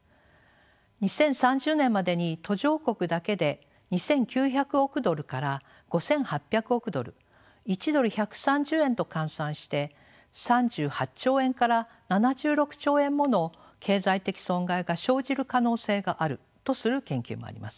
２０３０年までに途上国だけで２，９００億ドルから５，８００億ドル１ドル１３０円と換算して３８兆円から７６兆円もの経済的損害が生じる可能性があるとする研究もあります。